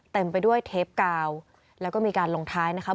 เต็มไปด้วยเทปกาวแล้วก็มีการลงท้ายนะคะ